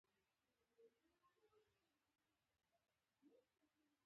چین له نورو هیوادونو سره ښې اړیکې لري.